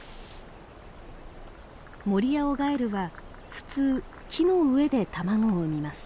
モリアオガエルは普通木の上で卵を産みます。